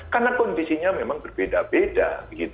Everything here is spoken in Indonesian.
karena kondisinya memang berbeda beda